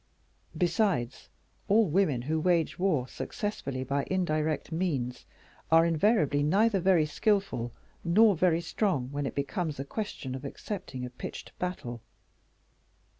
Besides, all women who wage war successfully by indirect means, are invariably neither very skillful nor very strong when it becomes a question of accepting a pitched battle.